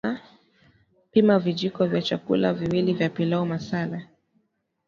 Pima vijiko vya chakula viwili vya pilau masala